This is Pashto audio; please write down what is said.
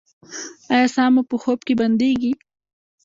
ایا ساه مو په خوب کې بندیږي؟